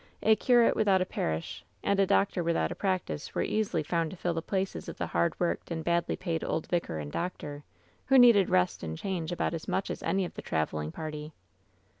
A curate without a parish and a doctor without a practice were easily found to fill the places of the hard worked and badly paid old vicar and doctor, who needed rest and change about as much as any of the traveling party.'